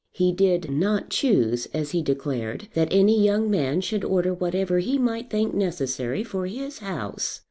He did not choose, as he declared, that any young man should order whatever he might think necessary for his house.